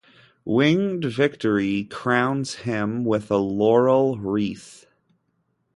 Winged Victory crowns him with a laurel wreath.